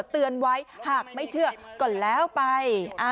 เตือนไว้หากไม่เชื่อก็แล้วไป